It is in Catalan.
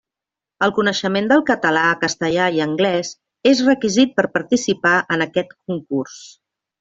El coneixement del català, castellà i anglès és requisit per participar en aquest concurs.